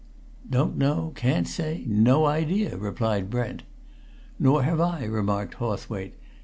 "Don't know, can't say, no idea," replied Brent. "Nor have I!" remarked Hawthwaite.